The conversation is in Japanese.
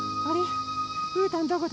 うーたんどこだ？